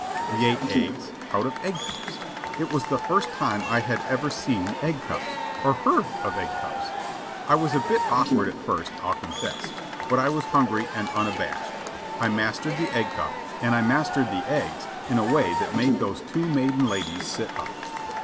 We ate eggs, out of egg cups! It was the first time I had ever seen egg cups, or heard of egg cups! I was a bit awkward at first, I'll confess; but I was hungry and unabashed. I mastered the egg cup, and I mastered the eggs in a way that made those two maiden ladies sit up.